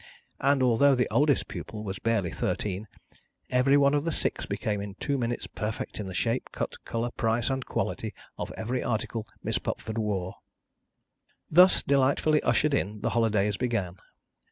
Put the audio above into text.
And although the oldest pupil was barely thirteen, every one of the six became in two minutes perfect in the shape, cut, colour, price, and quality, of every article Miss Pupford wore. Thus delightfully ushered in, the holidays began.